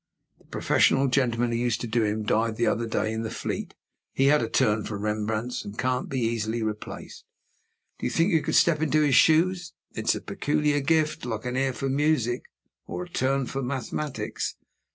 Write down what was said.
The professional gentleman who used to do him died the other day in the Fleet he had a turn for Rembrandts, and can't be easily replaced. Do you think you could step into his shoes? It's a peculiar gift, like an ear for music, or a turn for mathematics.